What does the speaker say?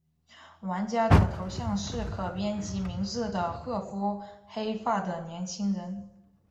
玩家的头像是可编辑名字的褐肤黑发的年轻人。